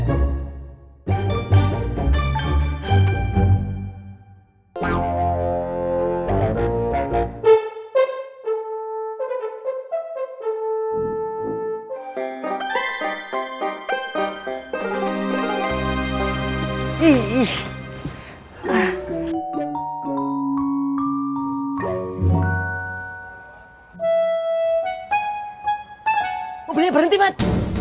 ih ih ih mobilnya berhenti mat